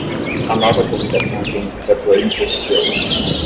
A nova publicação tem um redator infeccioso.